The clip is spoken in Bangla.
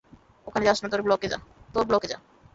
ওখানে যাস না, তোর ব্লকে যা।